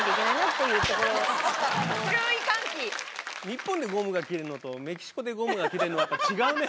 日本でゴムが切れるのとメキシコでゴムが切れるのはやっぱり違うね。